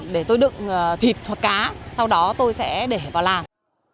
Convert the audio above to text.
để tôi đựng thịt hoặc cá sau đó tôi sẽ để vào làng